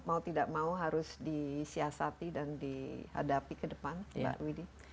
mau tidak mau harus disiasati dan dihadapi ke depan mbak widhi